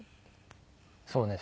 そうです。